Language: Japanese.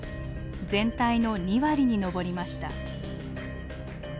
全体の２割に上りました。